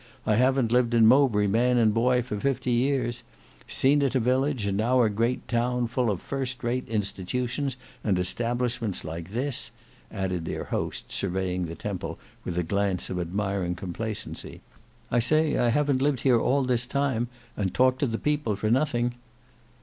I havn't lived in Mowbray man and boy for fifty years; seen it a village, and now a great town full of first rate institutions and establishments like this," added their host surveying the Temple with a glance of admiring complacency; "I say I havn't lived here all this time and talked to the people for nothing."